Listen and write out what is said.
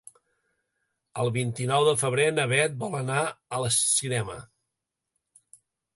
El vint-i-nou de febrer na Beth vol anar al cinema.